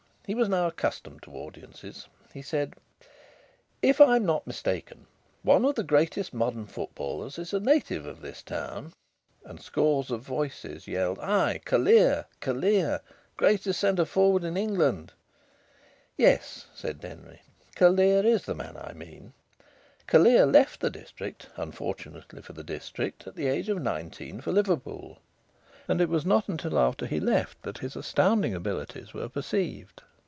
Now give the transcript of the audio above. He was now accustomed to audiences. He said: "If I'm not mistaken, one of the greatest modern footballers is a native of this town." And scores of voices yelled: "Ay! Callear! Callear! Greatest centre forward in England!" "Yes," said Denry. "Callear is the man I mean. Callear left the district, unfortunately for the district, at the age of nineteen for Liverpool. And it was not till after he left that his astounding abilities were perceived.